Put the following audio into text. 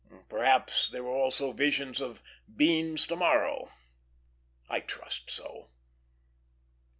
Perhaps there were also visions of "beans to morrow." I trust so.